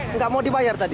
enggak mau dibayar tadi